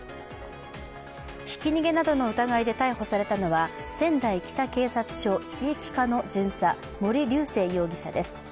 ひき逃げなどの疑いで逮捕されたのは仙台北警察署地域課の巡査、森瑠世容疑者です。